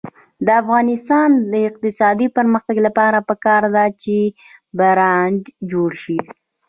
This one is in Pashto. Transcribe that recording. د افغانستان د اقتصادي پرمختګ لپاره پکار ده چې برانډ جوړ شي.